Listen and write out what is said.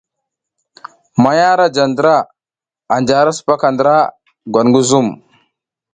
Manya ara ja ndra, anja ara sipaka ndra gwat ngi zum.